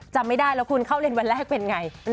จำไม่ได้แล้วคุณเข้าเรียนวันแรกเป็นไง